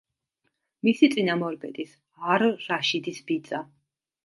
მისი წინამორბედის, არ-რაშიდის ბიძა.